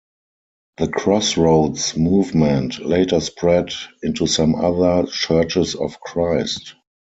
The Crossroads Movement later spread into some other Churches of Christ.